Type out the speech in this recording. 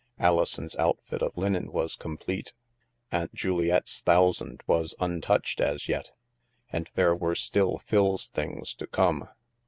Alison's outfit of linen was complete. Aunt Juliette's thousand was untouched as yet. And there were still Phil's things to come.